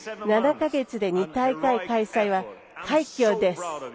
７か月で２大会開催は快挙です。